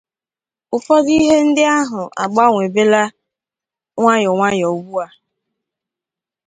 ụfọdụ ihe ndị ahụ agbanwèbela nwayọ-nwanyọ ugbua